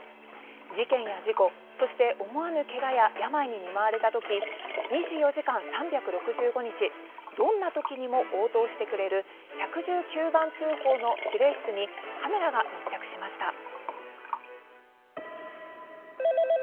事件や事故、そして思わぬけがや病に見舞われたとき２４時間３６５日どんなときにも応答してくれる１１９番通報の指令室にカメラが密着しました。